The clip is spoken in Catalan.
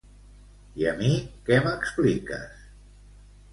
I a mi que m'expliques?